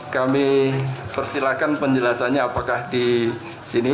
kami persilahkan penjelasannya apakah di sini